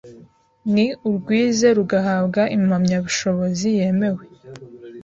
ni urwize rugahabwa impamyabushobozi yemewe